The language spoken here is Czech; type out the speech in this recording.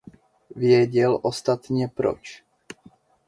Věděl ostatně proč.